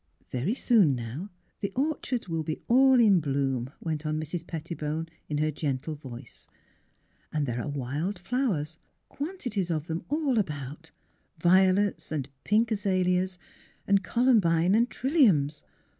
'' Very soon now the orchards will be all in bloom," went on Mrs. Pettibone, in her gentle voice, ^' and there are wild flowers — quantities of them all about: violets and pink azalias and columbine and trilliums.